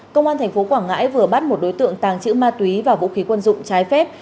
công an tp quảng ngãi vừa bắt một đối tượng tàng trữ ma túy và vũ khí quân dụng trái phép